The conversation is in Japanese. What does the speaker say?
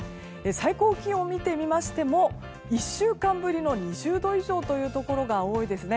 最高気温を見てみましても１週間ぶりの２０度以上というところが多いですね。